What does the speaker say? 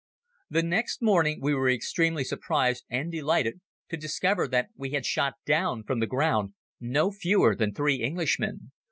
The next morning we were extremely surprised and delighted to discover that we had shot down from the ground no fewer than three Englishmen.